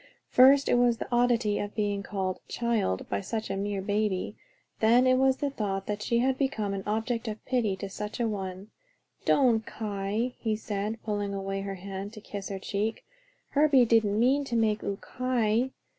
First, it was the oddity of being called "child" by such a mere baby, then the thought that she had become an object of pity to such an one. "Don' ky," he said, pulling away her hand to kiss her cheek. "Herbie didn't mean to make oo ky."